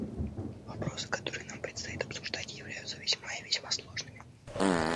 Вопросы, которые нам предстоит обсуждать, являются весьма и весьма сложными.